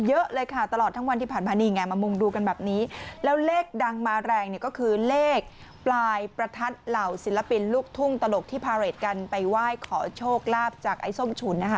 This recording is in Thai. เยอะเลยค่ะตลอดทั้งวันที่ผ่านมานี่ไงมามุงดูกันแบบนี้แล้วเลขดังมาแรงเนี่ยก็คือเลขปลายประทัดเหล่าศิลปินลูกทุ่งตลกที่พาเรทกันไปไหว้ขอโชคลาภจากไอ้ส้มฉุนนะคะ